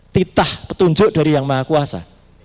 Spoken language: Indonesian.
titah petunjuk dari yang maha kuasa